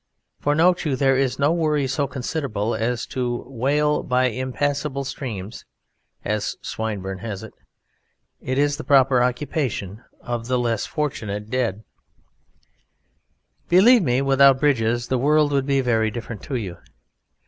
For note you, there is no worry so considerable as to wail by impassable streams (as Swinburne has it). It is the proper occupation of the less fortunate dead. ON BRIDGES Believe me, without bridges the world would be very different to you.